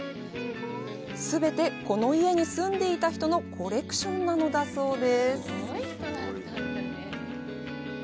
全て、この家に住んでいた人のコレクションなのだそうです。